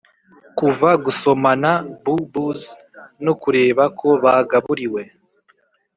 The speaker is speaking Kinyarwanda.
kuva gusomana boo-boos no kureba ko bagaburiwe-